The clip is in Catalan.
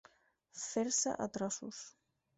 Fer-se a trossos.